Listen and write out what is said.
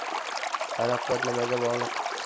Taraqqiyot nimaga bog‘liq?